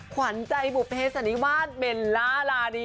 ขวัญใจบุภเพศอันนี้วาดเบนลาลาดิ